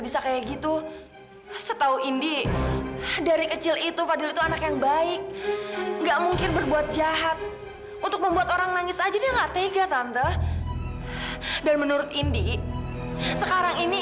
sampai jumpa di video selanjutnya